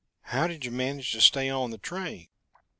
How did you manage to stay on the train?"